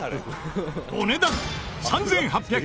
お値段３８９０円。